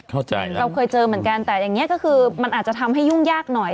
เข้าใจแล้วเราเคยเจอเหมือนกันแต่อย่างนี้ก็คือมันอาจจะทำให้ยุ่งยากหน่อย